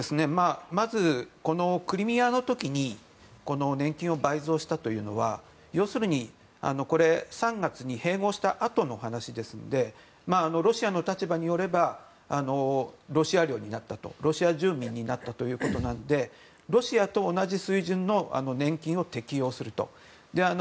まず、クリミアの時に年金を倍増したというのは要するに３月に併合したあとの話ですのでロシアの立場によればロシア領になったロシア住民になったということなのでロシアと同じ水準の年金を適用すると。